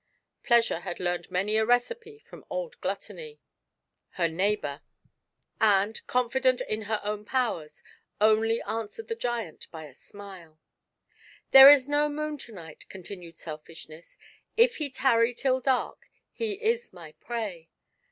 Pleasure had learned many a recipe from old Gluttony GIANT SELFISHNESS. lier neighboiir, and, confident in her own powers, only answered the giant by a smile. "There is no moon to night," continued Selfishness; " if he tarry till dark, he is my prey.